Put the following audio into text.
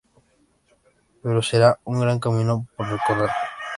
Pero será un gran camino por recorrer.